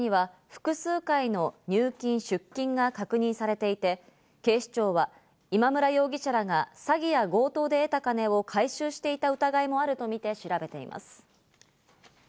口座には複数回の入出金が確認されていて、警視庁は今村容疑者らが詐欺や強盗で得た金を回収していた疑いもあるとみて調べています。